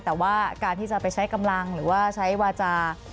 แต่ว่าการที่จะไปใช้กำลังหรือว่าใช้วาจา